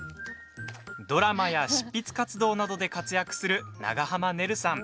ドラマや執筆活動などで活躍する長濱ねるさん。